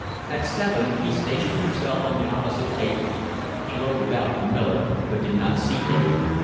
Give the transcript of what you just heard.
At seven he stationed himself on the opposite pavement. He looked about for Miller, but did not see him.